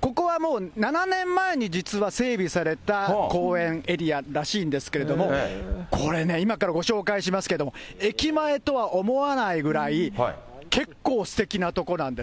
ここはもう７年前に、実は整備された公園、エリアらしいんですけれども、これね、今からご紹介しますけど、駅前とは思わないぐらい、結構、すてきな所なんです。